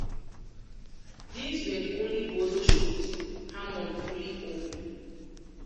These were the only Bozo shows Harmon fully owned.